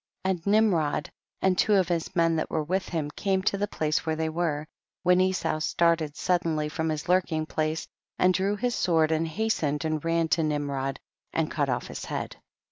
7. And Nimrod and two of his men that were with him came to the place where they were, when Esau started suddenly from his lurking place, and drew his sword, and has tened and ran to Nimrod and cut off his head.